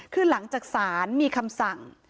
คือหลังจากศาลมีคำสั่ง